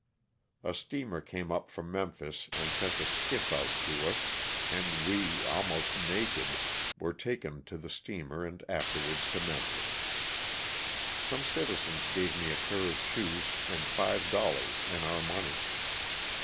A steamer came up from Memphis and sent a skiff out to us, and we, almost naked, were taken to the steamer and after wards to Memphis. Some citizens gave me a pair of shoes and five dollars in our money.